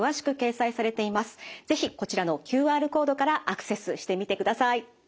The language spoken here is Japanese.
是非こちらのＱＲコードからアクセスしてみてください。